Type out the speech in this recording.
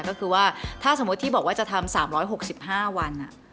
ก็คือว่าถ้าสมมุติที่บอกว่าจะทำสามร้อยหกสิบห้าวันอ่ะ